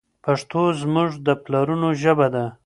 پښتو زموږ د پلرونو ژبه ده.